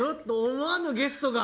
思わぬゲストが。